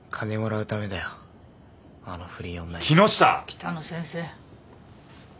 北野先生。